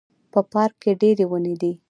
په پارک کې ډیري وني دي